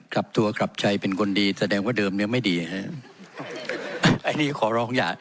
กลับตัวกลับใจเป็นคนดีแสดงว่าเดิมเนี้ยไม่ดีฮะอันนี้ขอร้องอย่า